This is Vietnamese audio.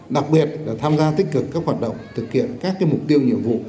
đặc biệt là tham gia tích cực các hoạt động thực hiện các mục tiêu nhiệm vụ